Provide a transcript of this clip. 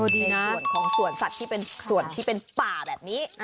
ในส่วนของส่วนสัตว์ที่เป็นป่าแบบนี้